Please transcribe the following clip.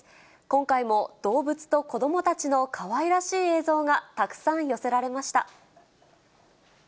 今回も動物と子どもたちのかわいらしい映像がたくさん寄せられました。